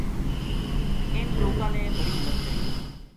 اِنھ لوکاں نے بڑی ہمت کری